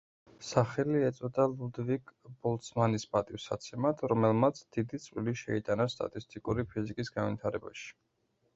სახელი ეწოდა ლუდვიგ ბოლცმანის პატივსაცემად, რომელმაც დიდი წვლილი შეიტანა სტატისტიკური ფიზიკის განვითარებაში.